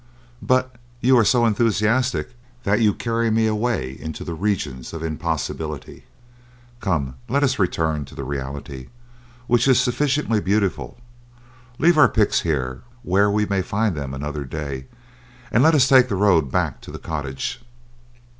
but you are so enthusiastic that you carry me away into the regions of impossibility! Come, let us return to the reality, which is sufficiently beautiful; leave our picks here, where we may find them another day, and let's take the road back to the cottage."